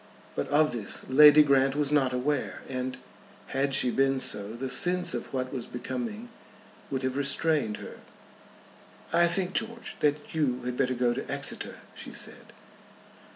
But of this Lady Grant was not aware, and, had she been so, the sense of what was becoming would have restrained her. "I think, George, that you had better go to Exeter," she said.